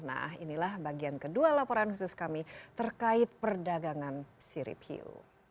nah inilah bagian kedua laporan khusus kami terkait perdagangan sirip hiu